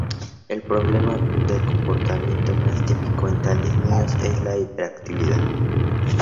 El problema de comportamiento más típico en tales niños es la hiperactividad.